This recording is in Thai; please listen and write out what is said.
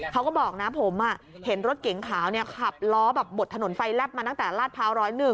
เขาก็บอกนะผมเห็นรถเก๋งขาวขับล้อแบบบดถนนไฟแลบมาตั้งแต่ลาดพร้าว๑๐๑